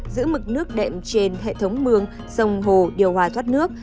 giữ mực nước đệm trên hệ thống mương sông hồ điều hòa thoát nước